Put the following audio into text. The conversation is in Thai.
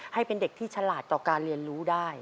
ให้เป็นเด็กที่ฉลาดต่อการเรียนรู้ได้